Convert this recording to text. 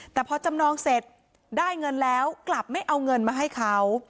แต่พอจำนองเสร็จได้เงินแล้วกลับไม่เอาเงินมาให้เขา